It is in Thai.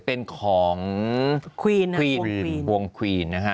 เป็นของควีนวงควีนนะฮะ